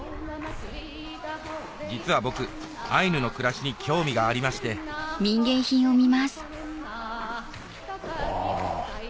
実は僕アイヌの暮らしに興味がありましてあ。